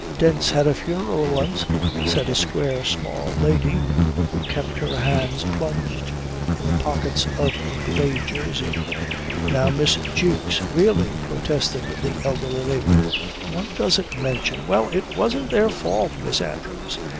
"Dent's had a funeral once," said a square small lady who kept her hands plunged in the pockets of a grey jersey. "Now Miss Jewks, really " protested the elderly lady. "One doesn't mention " "Well, it wasn't their fault, Miss Andrews.